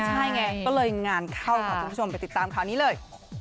ใช่ไงก็เลยงานเข้าค่ะคุณผู้ชมไปติดตามข่าวนี้เลย